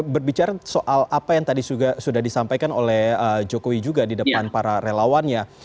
berbicara soal apa yang tadi sudah disampaikan oleh jokowi juga di depan para relawannya